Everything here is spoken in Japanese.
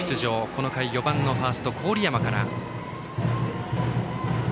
この回は４番ファースト、郡山から。